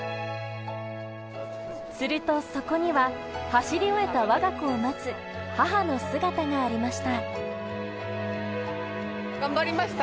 すると、そこには走り終えた我が子を待つ母の姿がありました。